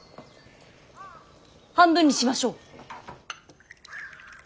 半分にしましょう！